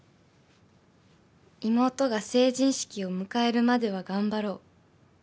［妹が成人式を迎えるまでは頑張ろう］